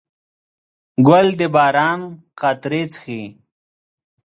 ګل د باران قطرې څښي.